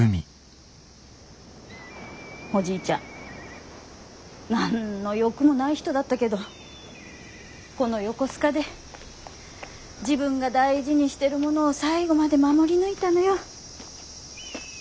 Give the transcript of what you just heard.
おじいちゃん何の欲もない人だったけどこの横須賀で自分が大事にしてるものを最後まで守り抜いたのよ。